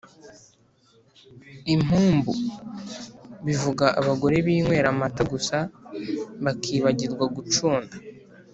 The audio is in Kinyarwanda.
Impumbu: bivuga abagore binywera amata gusa bakibagirwa gucunda.